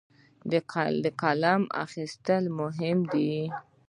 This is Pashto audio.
د قلم اخیستل مهم دي.